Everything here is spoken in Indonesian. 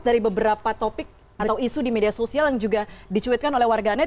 dari beberapa topik atau isu di media sosial yang juga dicuitkan oleh warganet